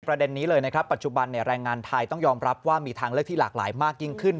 ประเด็นนี้เลยนะครับปัจจุบันแรงงานไทยต้องยอมรับว่ามีทางเลือกที่หลากหลายมากยิ่งขึ้น